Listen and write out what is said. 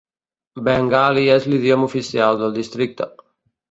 Bengali és l'idioma oficial del districte.